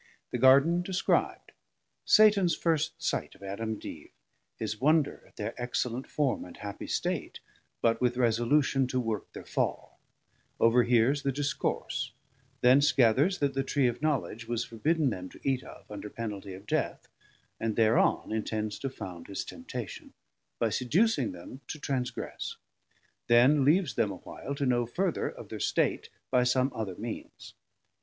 The Garden describ'd; Satans first sight of Adam and Eve; his wonder at thir excellent form and happy state but with resolution to work thir fall; overhears thir discourse, thence gathers that the Tree of knowledge was forbidden them to eat of, under penalty of death; and thereon intends to found his temptation, by seducing them to transgress: then leaves them a while to know further of thir state by some other means.